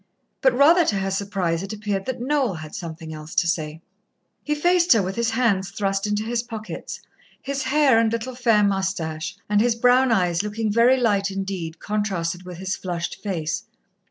But rather to her surprise, it appeared that Noel had something else to say. He faced her with hands thrust into his pockets, his hair and little, fair moustache and his brown eyes looking very light indeed contrasted with his flushed face.